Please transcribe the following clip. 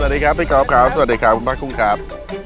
สวัสดีครับพี่ก๊อฟครับสวัสดีครับคุณพระกุ้งครับ